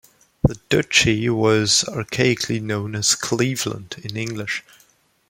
The Duchy was archaically known as "Cleveland" in English.